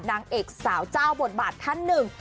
นางเอกสาวเจ้าบทบาทท่านหนึ่ง